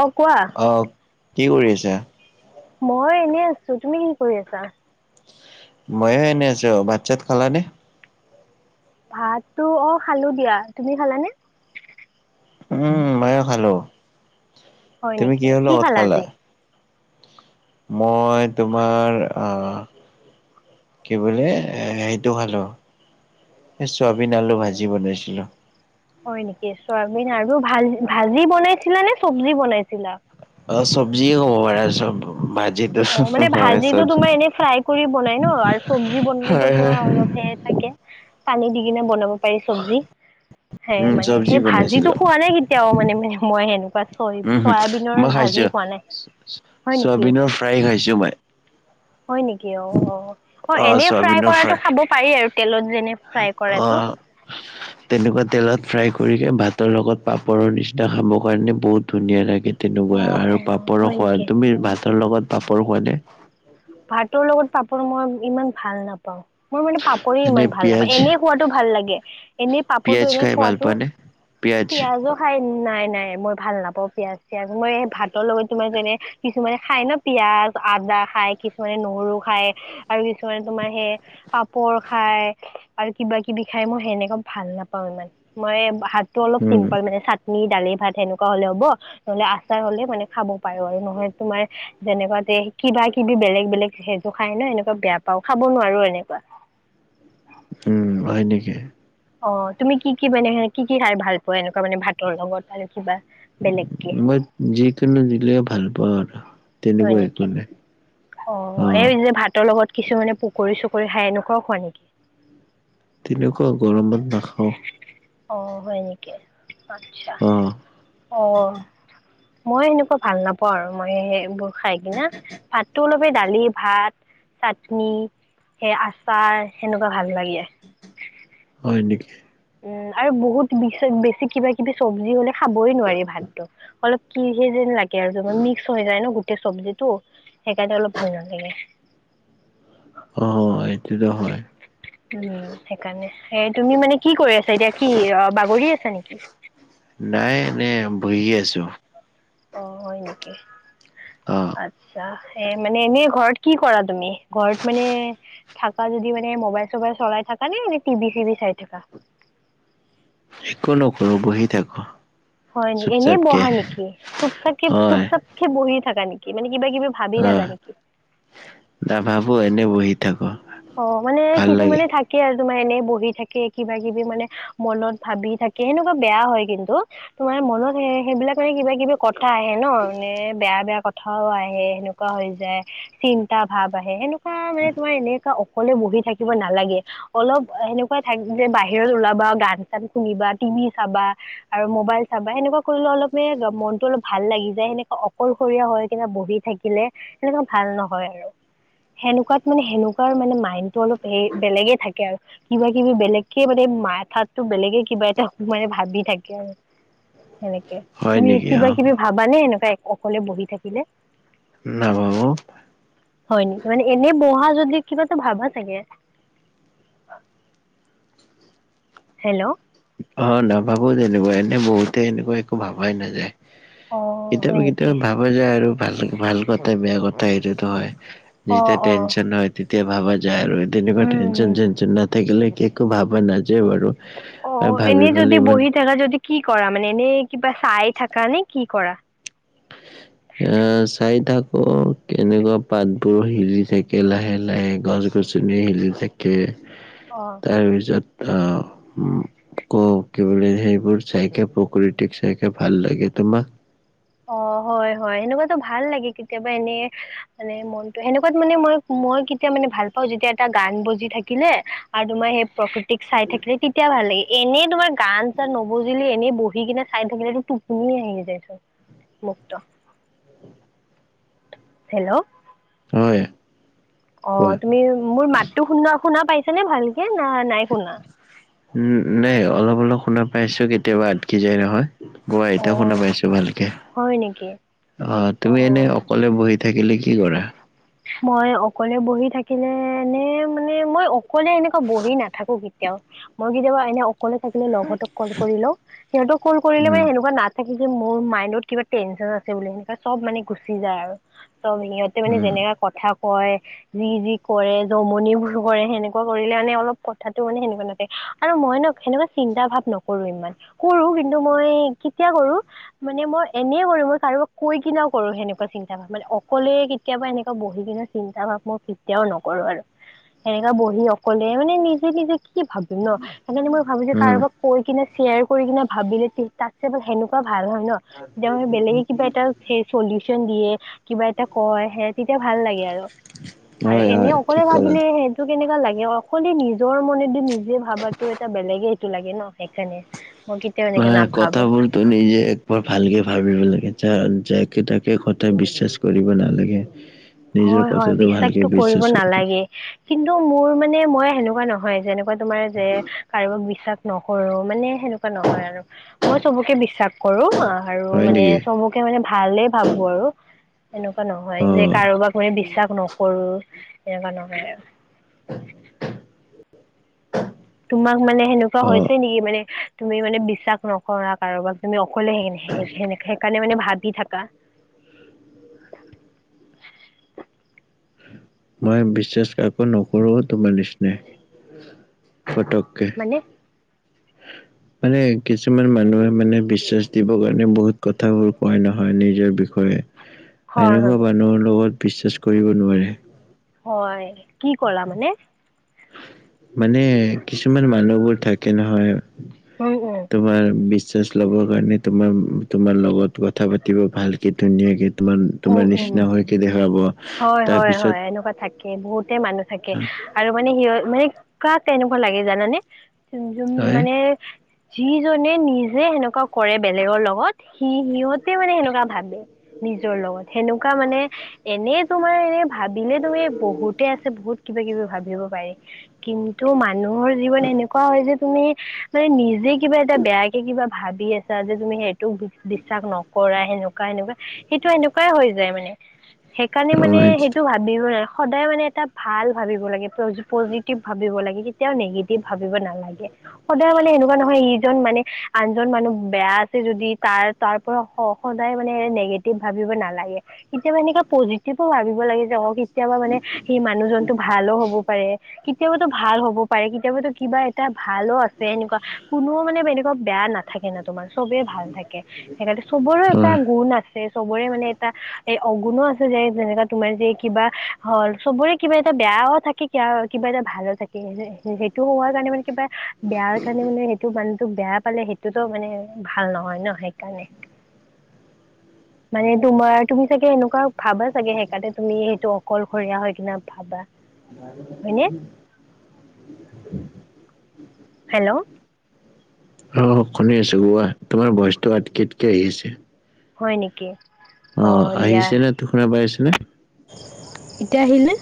অ কোৱা অ কি কৰি আছে মই এনেই আছো তুমি কি কৰি আছা মইয়ো এনে আছো ভাত চাত খালা নে ভাতটো অ খালো দিয়া তুমি খালানে উম মইয়ো খালো হয় তুমি নেকি কিহৰ কি লগত খালা আজি মই তোমাৰ আহ কি বোলে এ সেইটো খালো চোৱাইবিন আলু ভাজি বনাইছিল হয় নেকি চোৱাইবিন আৰু ভাল ভাজি বনাইছিলা নে চব্জি বনাইছিলা অ চব্জিয়ে কব পাৰা ভাজিটো অ মানে হয় ভাজিতো চব্জি। তোমাৰ এনেই ফ্ৰাই কৰি বনাই ন আৰু চব্জি বনালে হয়, হয়, তোমাৰ অলপ হেই থাকে পানী দি কিনে বনাব পাৰি চব্জি সেই উম, মানে চব্জি সেই ভাজি বনাইছিলো। খোৱা নাই কেতিয়াও মানে মানে মই সেনেকুৱা চই চয়াইবিনৰ ভাজি খোৱা নাই হয় নেকি চয়াইবিনৰ ফ্ৰাই খাইছো মই হয় নেকি অ অ অ এনে ফ্ৰাই কৰাটো খাব পাৰি আৰু তেলত যেনে ফ্ৰাই কৰাটো [unintelligible] তেনেকুৱা তেলত ফ্ৰাই কৰি ভাতৰ লগত পাপৰৰ নিচিনা খাবৰ কাৰণে বহুত ধুনীয়া লাগে অ', তেনেকুৱা আৰু অ', পাপৰো হয় খোৱা নেকি? তুমি ভাতৰ লগত পাপৰ খোৱা নে ভাতৰ লগত পাপৰ মই ইমান ভাল নাপাওঁ মোৰ মানে পাপৰে এনে ইমান ভাল পিয়াজ নাপায় এনেই খোৱাটো ভাল লাগে এনেই পিয়াজ পাপৰটো এনে খাই ভাল খোৱাটো পোৱা নে? পিয়াজ পিয়াজো খাই নাই নাই মই ভাল নাপাওঁ পিয়াজ চিয়াজ মই ভাতৰ লগত তোমাৰ যেনে কিছুমানে খাই ন পিয়াজ আদা খাই কিছুমানে নহৰু খায় আৰু কিছুমানে তোমাৰ সেই পাপৰ খায় আৰু কিবা কিবি খাই মই সেনেকে ভাল নাপাওঁ ইমান মই হাতটো অলপ উম চিম্পল মানে নি দালি ভাত সেনেকুৱা হলে হ'ব নহলে আচাৰ হলে মানে খাব পাৰো আৰু নহয় তোমাৰ যেনেকুৱা তে কিবা কিবি বেলেগ বেলেগ সেইযোৰ খাই ন সেনেকুৱা বেয়া পাও খাব নোৱাৰো এনেকুৱা উম হয় নেকি অ তুমি কি কি মানে কি কি খাই ভাল পোৱা এনেকুৱা মানে ভাতৰ লগত আৰু কিবা বেলেগ মই যিকোনো দিলেও ভাল পাওঁ আৰু হয় তেনেকুৱা একো নেকি নাই অ এই যে ভাতৰ লগত কিছুমানে প পকৰি চকৰি খাই এনেকোৱাও খোৱা নেকি তেনেকুৱা গৰমত নাখাওঁ অ হয় নেকি আচ্ছা অ অ মই সেনেকুৱা ভাল নাপাওঁ আৰু মই সেইবোৰ খাই কিনা ভাতটো অলপে দালি ভাত চাটনি সেই আচাৰ সেনেকুৱা ভাল লাগে। হয় নেকি। উম আৰু বহুত বেছি কিবা কিবি চব্জি হ'লে খাবই নোৱাৰি ভাতটো অলপ কি সেই যেন লাগে আৰু মিক্স হৈ যায় ন গোটেই চব্জিটো সেইকাৰণে অলপ ভাল নালাগে। অ', এইটোতো হয়। উম সেইকাৰণে এ তুমি মানে কি কৰি আছা এতিয়া কি অ', বাগৰি আছা নেকি? নাই বহি আছোঁ। অ', হয় নেকি অ আচ্ছা। এ মানে এনেই ঘৰত কি কৰা তুমি ঘৰত মানে থাকা যদি মানে মোবাইল চবাইল চলাই থাকা নে এনে টিভি চি ভ চাই থাকা। একো নকৰোঁ বহি থাকো। হয় নেকি চুপ এনেই চাপকে বহা নেকি চুপ চাকে চুপ হয় চাপকে বহি থাকা নেকি মানে কিবা কিবি ভাবি থাকা নেকি। নাভাবোঁ এনেই বহি থাকো অ', মানে ভাল কিছু লাগে মানে থাকে আৰু তোমাৰ এনেই বহি থাকে কিবা কিবি মানে মনত ভাবি থাকে সেনেকুৱা বেয়া হয় কিন্তু তোমাৰ মনত সেইবিলাক মানে কিবা কিবি কথা আহে ন নে বেয়া বেয়া কথা কথাও আহে সেনেকুৱা হৈ যায় চিন্তা ভাৱ আহে সেনেকুৱা মানে তোমাৰ এনে অকলে বহি থাকিব নালাগে অলপ সেনেকুৱাই থাক যে বাহিৰত ওলাবা গান চান শুনিবা টিভি চাবা আৰু মোবাইল চাবা সেনেকুৱা কৰিলে অলপে মনতটো অলপ ভাল লাগি যায় সেনেকুৱা অকলশৰীয়া হয় কে বহি থাকিলে সেনেকুৱা ভাল নহয় আৰু সেনেকুৱাত মানে সেনেকুৱা মানে মাইণ্ডটো অলপ হেৰি বেলেগে থাকে আৰু। কিবা কিবি বেলেগকে মানে মাথাতো বেলেগে কিবা এটা মানে ভাবি থাকে আৰু। সেনেকে হয় তুমি নেকি অ কিবা কিবি ভাবানে এনেকুৱা অকলে বহি থাকিলে। নাভাবোঁ। হয় নেকি মানে এনে বহা যদি কিবা এটা ভাবা চাগে। হেল্ল'। অ', নাভাবোঁ তেনেকুৱা এনেই বহুতে এনেকুৱা একো ভাবাই নাযায়। অ হয় কেতিয়াবা নেকি কেতিয়াবা ভাব হব যায় আৰু ভাল ভাল কথা বেয়া কথা এইটোতো হয় অ যেতিয়া অ টেনচন হয় তেতিয়া ভাবা যায় আৰু তেনেকুৱা উম টেনচন উম। চেনচন নথাকিলে কে একো ভাবা নাযাই বাৰু। আৰু অ', ভাবি এনে যদি পেলাই ইমান বহি থাকা যদি কি কৰা মানে এনে কিবা চাই থাকা নে কি কৰা? এ চাই থাকো কেনেকুৱা পাতবোৰ সিজি থাকে লাহে লাহে গছ চিনী হিলি থাকে। অ'। তাৰপিছত উ কও কি বুলি সেইবোৰ চাইকে প্ৰকৃতিক চাইকে ভাল লাগে তোমাক? অ', হয়, হয় সেনেকুৱাতো ভাল লাগে কেতিয়াবা এনে মানে মনতটো সেনেকুৱাত মানে মই মই কেতিয়া মানে ভাল পাওঁ যেতিয়া এটা গান বজি থাকিলে আৰু তোমাৰ সেই প্ৰকৃতিক চাই থাকিলে তেতিয়া ভাল লাগে। এনেই তোমাৰ গান চান নবজিলে এনেই বহি কিনে চাই থাকিলে তটো টোপনি আহি যাই চোন। মুক্ত। হেল্ল'। হয়। অ কোৱা তুমি মোৰ মাতটো শুনা শুনা পাইছ নে ভালকে না নাই শুনা। উ নাই অলপ অলপ শুনা পাইছো কেতিয়াবা আটকি যায় নহয়। কোৱা অ এতিয়া শুনা পাইছো ভালকে হয় নেকি অ তুমি এনে অ অকলে বহি থাকিলে কি কৰা। মই অকলে বহি থাকিলে নে মানে মই অকলে এনেকুৱা বহি নাথাকো কেতিয়াও। মই কেতিয়াবা এনে অকলে থাকিলে লগহতক কল কৰি লওঁ সিহঁতক কল কৰিলে মে উম সেনেকুৱা না থাকি যে মোৰ মাইণ্ডত কিবা টেনচন আছে বুলি সেনেকুৱা চব মানে গুচি যায়। আৰু চব সিহঁতে মানে উম যেনেকাে কথা কয়। যি যি কৰে জমনিবোৰ কৰে সেনেকুৱা কৰিলে মানে অলপ কথাাতটো মানে সেনেকুৱা নাথে। আৰু মই ন সেনেকুৱা চিন্তা ভাৱ নকৰো ইমান কৰো কিন্তু মই কেতিয়া কৰো। মানে মই এনেই কৰো মই কাৰোবাক কৈ কিনাও কৰো সেনেকুৱা চিন্তা মানে অকলে কেতিয়াবা এনেকোৱো- বহি কিনে চিন্তা ভাৱ মই কেতিয়াও নকৰো আৰু। সেনেকা বহি অকলে মানে নিজে নিজে কি ভাবি ন সেইকাৰণে মই ভাবো যে উম কাৰোবাক কৈ কিনে শ্বেয়াৰ কৰি কিনে ভাবিলে তাত সেনেকুৱা ভাল হয় ন তেতিয়াে বেলেগে কিবা এটা ফে কডিশ্যন দিয়ে কিবা যেতিয়া কয় সে তেতিয়া ভাল লাগে আৰু আৰু হয় এনে হয় অকলে ঠিক ক'লা ভাবিলে স টোক কেনেকা লাগে অকলে নিজৰ মনেত দি নিজে ভাবাটো এটা বেলেগে এইটো লাগে ন সেইকাৰণে। মই কেতিয়াও বা এনেকে নাভাবো কথাবোৰ ত নিজে একবাৰ ভালকে ভাবিব লাগে য যাকে তাকে কথায় বিশ্বাস কৰিব নালাগে। নিজৰ হয় হয় কথাটো ভালকে বিশ্বাসতটো কৰিব বিশ্বাস কৰি থাকে নালাগে। কিন্তু মোৰ মানে মই সেনেকুৱা নহয় যেনেকুৱা তোমাৰ যে কাৰোবাক বিশ্বাস নকৰৰুো মানে সেনেকুৱা নহয় আৰু মই চবকে বিশ্বাস কৰো আৰু হয় মানে নেকি চব কেতিয়াবা মানে ভালেই ভাবো আৰু এনেকুৱা নহয়। অ যে কাৰোবাক কো বিশ্বাস নকৰো এনেকুৱা নকয় আৰু তোমাক মানে সেনেকুৱা অ হৈছে নেকি মানে তুমি মানে বিশ্বাস নকৰা কাৰোবাক তুমি অকলে সেইকাৰণে মানে ভাবি থাকা। মই বিশ্বাস কাকো নকৰো তোমাৰ নিচিনাই ফতককে। মানে [inaudible] মানে কিছুমান মানুহে মানে বিশ্বাস দিবৰ কাৰণে বহুত কথাবোৰ কয় নহয় নিজৰ বিষয়ে হয় হয় এনেকুৱা মানুহৰ লগত বিশ্বাস কৰিব নোৱাৰে। হয়, কি কলা মানে? মানে কিছুমান মানুহবোৰ থাকে নহয় অ', অ' তোমাৰ বিশ্বাস ল'বৰ কাৰণে তোমাৰ তোমাৰ লগত কথা পাতিব ভালকৈ ধুনীয়াকৈ উম তোমাৰ উম নিচিনা হৈকে দেখুৱাব হয় তাৰ হয় হয় পিছত এনেকুৱা থাকে বহুতে মানুহ থাকে। আৰু মানে সিহ মানে কাক তেনেকুৱা লাগে জানানে যোন হয় মানে যিজনে নিজে সেনেকুৱা কৰে বেলেগৰ লগত সি সিহঁতে মানে সেনেকুৱা ভাবে। নিজৰ লগত সেনেকুৱা মানে এনেই তোমাৰ এনে ভাবিলে তুমি বহুতে আছে বহুত কিবা কিবি ভাবিব পাৰি কিন্তু মানুহৰ জীৱন এনেকুৱা হয় যে তুমি মানে নিজে কিবা এটা বেয়াকে কিবা ভাবি আছা যে তুমি সেইটোক বিশ্বাস নকৰা সেনেকুৱা সেনেকুৱা সেইটো এনেকুৱাই হৈ যায় মানে। সেইকাৰণে অ মানে সেইটো ভাবিব নালাগে সদায় মানে এটা ভাল ভাবিব লাগে পজিটিভ ভাবিব লাগে কেতিয়াও নিগেটিভ ভাবিব নালাগে সদায় মানে এনেকুৱা নহয় ই মানে আনজন মানুহ বেয়া আছে যদি তাৰ তাৰ পৰা সদায় মানে ভাবিব নালাগে কেতিয়াবা এনো পজিটিভো ভাবিব লাগে যে কেতিয়াবা মানে সেই মানুহজনটো ভালো হ'ব পাৰে কেতিয়াবাতো ভাল হ'ব পাৰে কেতিয়াবো কিবা এটা ভালো আছে এনেকুৱা কোনো মানে এনেকুৱা বেয়া না থাকে ন' তোমাৰ চবেই ভাল থাকে সেইকাৰণে চবৰে অ এটা অ গুণ আছে চবৰে মানে এটা এই অগুণো আছে যে যেনেকা তোমাৰ যে কিবা হ চবৰে কিবা এটা বেয়াও থাকে কিবা কিবা এটা ভালো থাকে সেইটো হোৱাৰ কাৰণে মানে কিবা বেয়াৰ কাৰণে মানে সেইটো মানুহটোক বেয়া পালে সেইটোতো মানে ভাল নহয় ন' সেইকাৰণে। মানে তোমাৰ তুমি চাগে এনেকুৱা ভাবা চাগে সেইকাৰনে তুমি সেইটো অকলশৰীয়া হয় কিনা ভাবা হয়নে [unintelligible] হেল্ল' আহ শুনি আছো কোৱা তোমাৰ ভয়চটো আটকি আটকি আহিছে। হয়, নেকি অ', দিয়া আহিছে নে শুনা পাই আছেনে এতিয়া আহিল নে?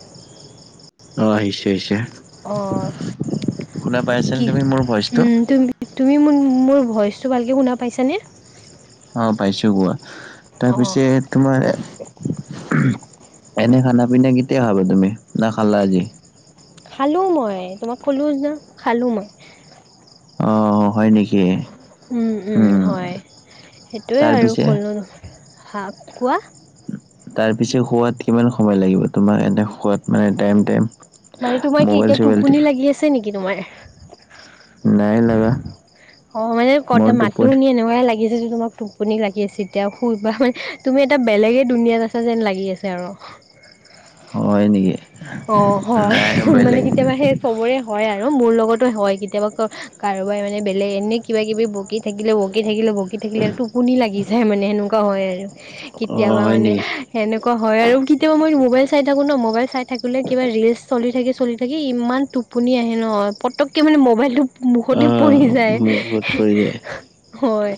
অ আহিছে আহিছে অ', শুনা পাইছানে কি তুমি মোৰ ভইচটো উম, তুমি তুমি ম মোৰ ভইচটো ভালকে শুনা পাইছানে? অ', পাইছোঁ কোৱা অ তাৰপিছত তোমাৰ এনে খানা পিনা কেতিয়া খাবা তুমি নে খালা আজি? খালোঁ মই তোমাক কলো ন' খালোঁ মই অঁ', হয় নেকি? উম উম হয়, সেইটোৱে আৰু তাৰপিছে ক'লো হ কোৱা? তাৰ পিছত খোৱাত কিমান সময় লাগিব তোমাক এনে খোৱাত মানে টাই টাইম? মানে তোমাৰ কি মোবাইল এতিয়া চোবাইল টোপনি টি- লাগি আছে নেকি তোমাৰ? নাই লগা অ', মানে ক মোৰ মাতো টোপনি শুনি এনেকোৱা লাগিছে যে তোমাক তো টোপনি লাগি আছে এতিয়া শুইবা মানে তুমি এটা বেলেগে দুুনিয়াত আছা যেন লাগি আছে আৰু হয় নেকি? অ', হয়, নাই মানে বেলেগ কেতিয়াবা সেই চবৰে হয় আৰু মোৰ লগতো হয় কেতিয়াবা কাৰোবাই মানে বেলেগ এনে কিবা কিবি বকীত থাকিলে বকি থাকিলে বকি থাকিলে আৰু টোপনি লাগি যায় মানে সেনেকুৱা হয় আৰু অ কেতিয়াবা হয় মানে নেকি সেনেকুৱা হয় আৰু কেতিয়াবা মই মোবাইল চাই থাকো ন' মোবাইল চাই থাকিলে কিবা ৰিলচ চলি থাকি চলি থাকি ইমান টোপনি আহে নহয় পটককৈ মানে মোবাইলটো অ মুখতে পৰি যায় মোৰ ঘৰত পৰি যায় হয়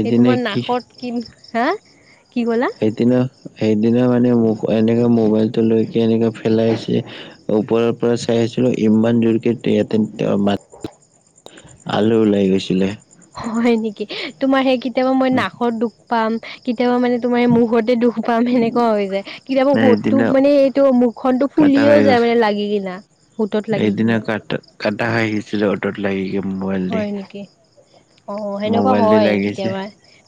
সেই তোমাৰ কি নাকত কি হা কি ক'লা সেইদিনা সেইদিনা মানে মোক এনেকে মোবাইলটো লৈ কি এনেকে ফেলাইছে ওপৰৰ পৰা চাই আহিছিলো ইমান জোৰকে ইয়াতে ম [unintelligible] আলু ওলাই গৈছিলে। হয় নেকি তোমাৰ সেই কেতিয়াবা মই নাকত দুখ পাম কেতিয়াবা মানে তোমাৰ মুখতে দুখ পাম সেনেকুৱা হৈ যায় কেতিয়াবা সোতটো সেইদিনা মানে এইটো মুখ খনটো কাটা ফুলিও খাই যায় গৈছে মানে লাগি কিনা হোতত লাগি কিনা কটা খ আহিছিলে অটত লাগি গ মোবাইল দি [unintelligible] অ সেনেকুৱা মোবাইল দি হয় লাগিছে কেতিয়াবা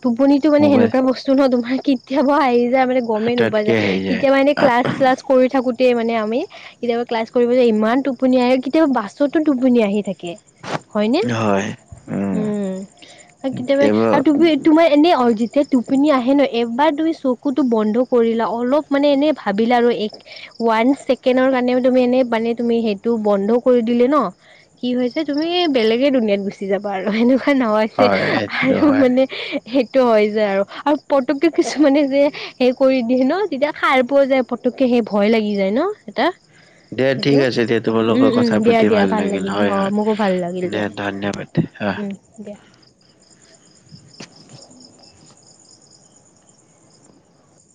টোপনিটো মানে মোবাইল সেনেকুৱা বস্তু ন তোমাৰ কি কেতিয়াবা আহি যায় মানে গমেই নোপোৱা হাততকে যায়, আহি কেতিয়াবা এনেই ক্লাছ চ্লাছ কৰি থাকোঁতেই মানে আমি কেতিয়াবা ক্লাছ কৰিবলৈ ইমান টোপনি আহে আৰু কেতিয়াবা বাছতো টোপনি আহি থাকে। হয়নে, হয় উম উম কেতিয়াবা আৰু তোমাৰ এনেই অ যেতিয়া টোপিনি আহে ন এবাৰ তুমি চকুটো বন্ধ কৰিলা অলপ মানে এনেই ভাবিলা আৰু এক ৱান ছেকেণ্ডৰ কাৰণে তুমি এনে মানে তুমি সেইটো বন্ধ কৰি দিলে ন, কি হৈছে তুমি বেলেগে দুুনিয়াত গুচি যাবা আৰু সেনেকুৱা নহয়। হয় এইটোতো আৰু হয় মানে সেইটো হয় যায় আৰু আৰু পতকে কিছুমানে যে সেই কৰি দিয় ন তেতিয়া সাৰ পোৱা যায় পটককে সেই ভয় লাগি যায় ন এটা। দে ঠিক সেইটো আছে দিয়া তোমাৰ উম লগত উম কথা দিয়া পাতি দিয়া ভাল লাগিল হয় অ হয় মোকো ভাল লাগিল দে দিয়া ধন্যবাদ অ। উম দিয়া।